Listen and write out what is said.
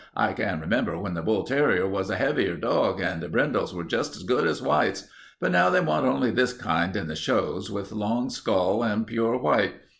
I can remember when the bull terrier was a heavier dog, and brindles were just as good as whites, but now they want only this kind in the shows, with a long skull and pure white.